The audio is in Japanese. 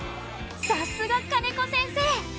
さすが兼子先生！